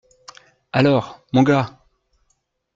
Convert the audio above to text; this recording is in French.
Alors ! Mon gars !